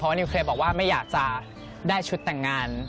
นิวเคลียร์บอกว่าไม่อยากจะได้ชุดแต่งงาน